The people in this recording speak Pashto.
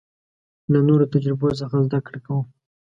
له نورو تجربو څخه زده کړه کوو.